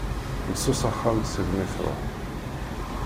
Messus axxam segmi truḥ.